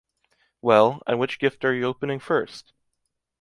Well, and which gift are you opening first?